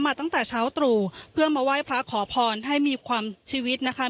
ตั้งแต่เช้าตรู่เพื่อมาไหว้พระขอพรให้มีความชีวิตนะคะ